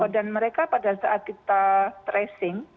dan mereka pada saat kita tracing